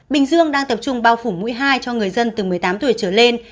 bình dương đang tập trung bao phủ mũi hai cho người dân từ một mươi tám tuổi trở lên